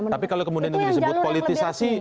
tapi kalau kemudian itu disebut politisasi